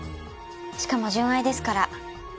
しかも純愛ですから厄介です。